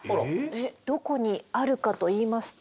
どこにあるかといいますと。